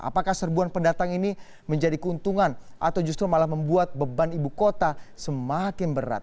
apakah serbuan pendatang ini menjadi keuntungan atau justru malah membuat beban ibu kota semakin berat